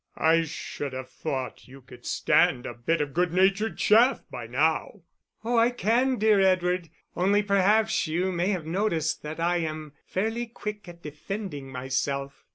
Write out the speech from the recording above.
"I should have thought you could stand a bit of good natured chaff by now." "Oh, I can, dear Edward. Only, perhaps, you may have noticed that I am fairly quick at defending myself."